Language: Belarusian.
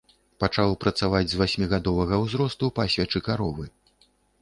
Пачаў працаваць з васьмігадовага ўзросту, пасвячы каровы.